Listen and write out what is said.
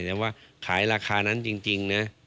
แต่ว่าขายราคานั้นจริงนะ